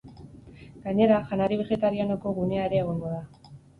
Gainera, janari begetarianoko gunea ere egongo da.